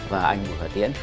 và anh bùi vật tiễn